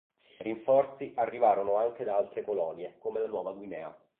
Rinforzi arrivarono anche da altre colonie, come la Nuova Guinea.